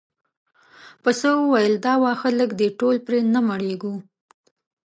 پسه وویل دا واښه لږ دي ټول پرې نه مړیږو.